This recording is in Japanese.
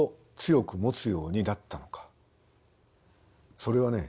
それはね